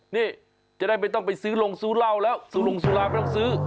นี่จะได้ไม่ต้องไปซื้อลงซื้อเหล้าแล้วสุลงสุราไม่ต้องซื้อ